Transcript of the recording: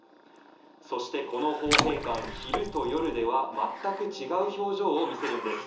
そしてこの豊平館、昼と夜では全く違う表情を見せるんです。